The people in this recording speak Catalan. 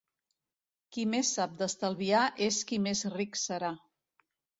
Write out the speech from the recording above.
Qui més sap d'estalviar és qui més ric serà.